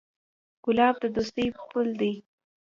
ګلاب د دوستۍ پُل دی.